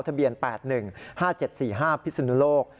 ทะเบียน๘๑๕๗๔๕พิศนุโลก